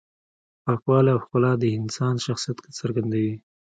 پاکوالی او ښکلا د انسان شخصیت څرګندوي.